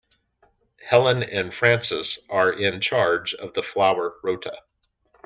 Helen and Frances are in charge of the flower rota